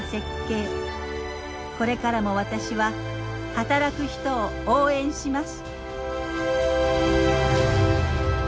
これからも私は働く人を応援します。